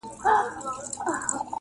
• له آسمانه هاتف ږغ کړل چي احمقه -